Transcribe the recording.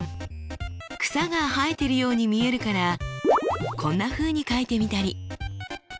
草が生えているように見えるからこんなふうに書いてみたり。